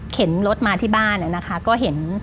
เข็นรถมาที่บ้านอะนะคะก็เห็น